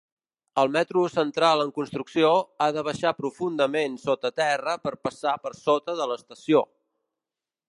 El metro central en construcció ha de baixar profundament sota terra per passar per sota de l'estació.